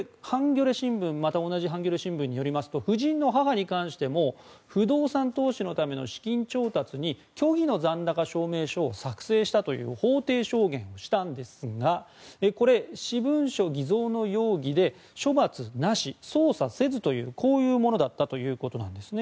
ハンギョレ新聞によりますと夫人の母に関しても不動産投資のための資金調達に虚偽の残高証明書を作成したという法廷証言をしたんですが私文書偽造の容疑で処罰なし捜査せずというこういうものだったということなんですね。